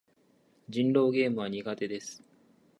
人狼ゲームは苦手です。